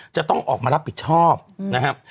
จะต้องออกมารับผิดชอบนะครับ